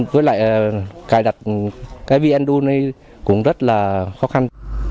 với lại cài đặt cái viên đu này cũng rất là khó khăn